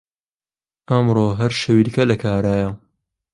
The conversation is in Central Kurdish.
ئەمڕۆ هەر شەویلکە لە کارایە